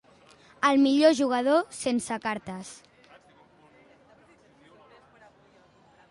El millor jugador, sense cartes.